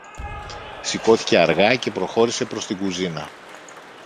Σηκώθηκε αργά και προχώρησε προς την κουζίνα